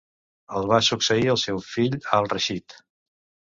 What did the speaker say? El va succeir el seu fill Al-Rashid.